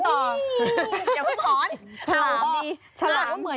บ้องตันไปเลย